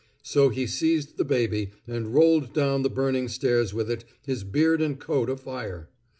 So he seized the baby, and rolled down the burning stairs with it, his beard and coat afire.